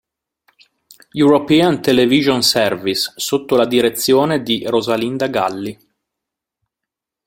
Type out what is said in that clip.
European Television Service" sotto la direzione di Rosalinda Galli.